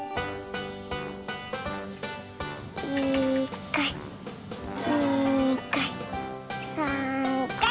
１かい２かい３かい！